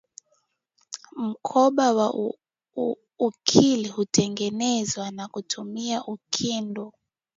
Mkoba wa ukili hutengenezwa kwa kutumia ukindu